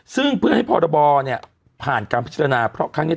ซึ่งเพื่อให้พรบเนี่ยผ่านการพิจารณาเพราะครั้งนี้